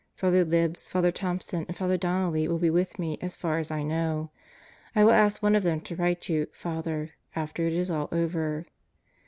... Father Libs, Father Thompson, and Father Donnelly will be with me as far as I know. I will ask one of them to write you, Father, after it is all over.